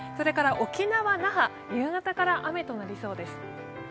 沖縄・那覇、夕方から雨となりそうです。